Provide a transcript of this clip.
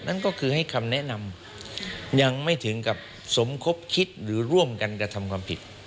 นั่นก็คือให้คำแนะนำยังไม่ถึงกับสมคบคิดหรือร่วมกันกระทำความผิด